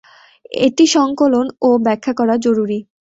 এটি সংকলন ও ব্যাখ্যা করা জরুরী।